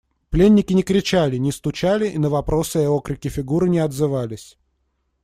Пленники не кричали, не стучали и на вопросы и окрики Фигуры не отзывались.